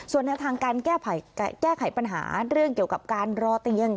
ส่วนแนวทางการแก้ไขปัญหาเรื่องเกี่ยวกับการรอเตียง